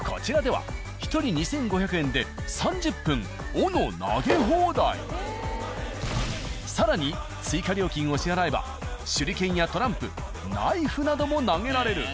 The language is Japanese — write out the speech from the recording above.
こちらでは更に追加料金を支払えば手裏剣やトランプナイフなども投げられる。